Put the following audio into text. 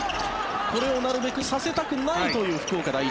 これをなるべくさせたくないという福岡第一。